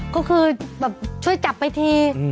ก็คือแบบช่วยจับไปที